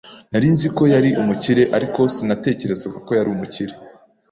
Nari nzi ko yari umukire, ariko sinatekerezaga ko yari umukire.